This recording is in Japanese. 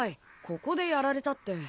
ここでやられたって。